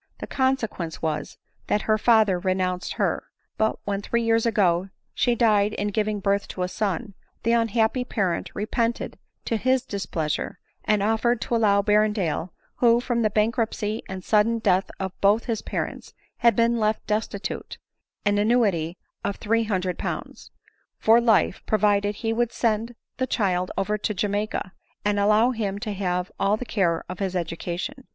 The conse quence was, that her father renounced her; but, when, three years ago, she died in giving birth to a son, the unhappy parent repented of his displeasure, and offered to allow Berrendale, who from the bankruptcy and sudden death of both his parents had been left destitute, an annu ity of 300Z. for life, provided he would send the child over to Jamaica, and allow him to have all the care of his education.